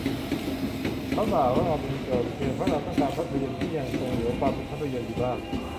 เขาด่าว่าเราเป็นโจร เพียงเพราะเราต้องการภาพยนตร์ที่ยังคงเหลือความเป็นภาพยนตร์อยู่บ้าง